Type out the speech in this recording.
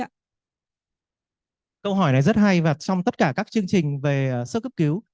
câu hỏi này rất hay và xong tất cả các chương trình về sơ cấp cứu